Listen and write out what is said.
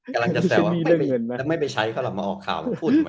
กำลังจะแสวว่าไม่ไปใช้เขาแล้วมาออกข่าว